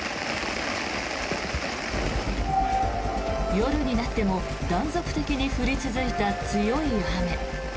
夜になっても断続的に降り続いた強い雨。